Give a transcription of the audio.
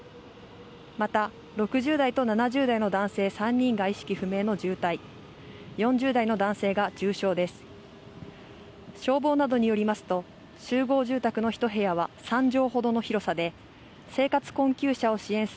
また、６０代と７０代の男性３人が意識不明の重体、４０代の男性が重傷です。